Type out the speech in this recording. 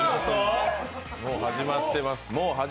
もう始まってます。